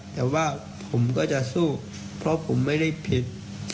แต่ว่าผมก็จะสู้เพราะผมไม่ได้ผิด